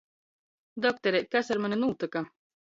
Doktereit, kas ar mani nūtyka?